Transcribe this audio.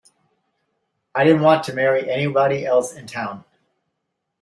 I didn't want to marry anybody else in town.